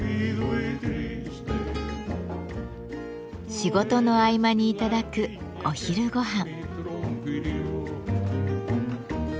仕事の合間に頂くお昼ごはん。